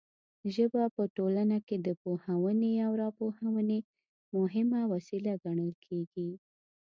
ژبه په ټولنه کې د پوهونې او راپوهونې مهمه وسیله ګڼل کیږي.